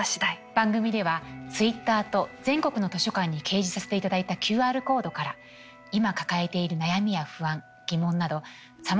番組ではＴｗｉｔｔｅｒと全国の図書館に掲示させていただいたＱＲコードから今抱えている悩みや不安疑問などさまざまな声を寄せていただいています。